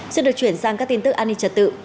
xin được chuyển sang các tin tức an ninh trật tự